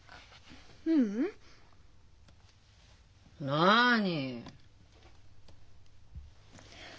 なに？